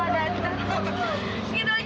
ayo terus masuk terus